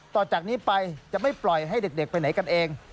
ต่อจากนี้ไปจะไม่ปล่อยให้เด็กไปไหนกันเอง